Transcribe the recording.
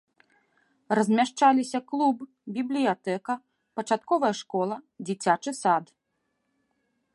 Размяшчаліся клуб, бібліятэка, пачатковая школа, дзіцячы сад.